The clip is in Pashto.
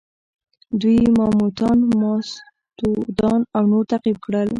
دوی ماموتان، ماستودان او نور تعقیب کړل.